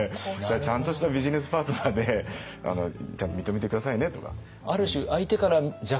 「ちゃんとしたビジネスパートナーでちゃんと認めて下さいね」とか。